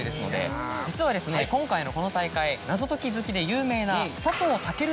実は今回のこの大会謎解き好きで有名な。